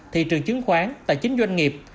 thị trường chứng khoán tài chính doanh nghiệp